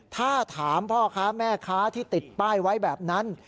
ถ้าถามพ่อค้าแม่ค้าที่ติดป้ายไว้แบบนั้น